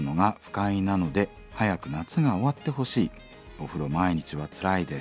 お風呂毎日はつらいです」。